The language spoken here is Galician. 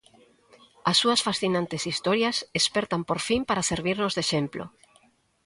As súas fascinantes historias espertan por fin para servirnos de exemplo.